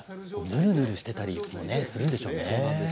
ぬるぬるしてたりもするんでしょうね。